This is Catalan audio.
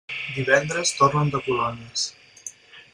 Divendres tornen de colònies.